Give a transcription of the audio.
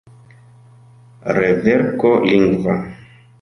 Reverko lingva.